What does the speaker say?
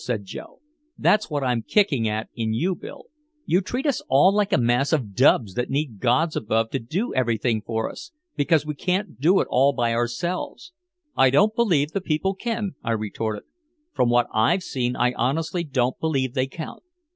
said Joe. "That's what I'm kicking at in you, Bill you treat us all like a mass of dubs that need gods above to do everything for us because we can't do it all by ourselves!" "I don't believe the people can," I retorted. "From what I've seen I honestly don't believe they count.